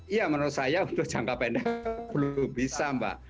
iya menurut saya untuk jangka pendek belum bisa mbak